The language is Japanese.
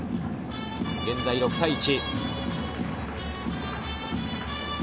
現在６対１。